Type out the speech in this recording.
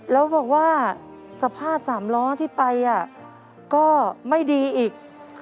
แล้วบอกว่าสภาพสามล้อที่ไปก็ไม่ดีอีก